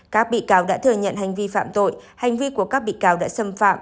các bị cáo đã thừa nhận hành vi phạm tội hành vi của các bị cáo đã xâm phạm